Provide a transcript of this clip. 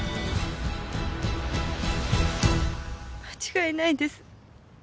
間違いないです